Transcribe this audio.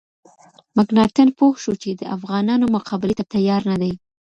مکناتن پوه شو چې د افغانانو مقابلې ته تیار نه دی.